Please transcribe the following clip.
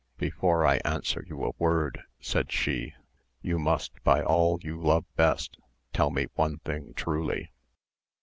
"Before I answer you a word," said she, "you must, by all you love best, tell me one thing truly."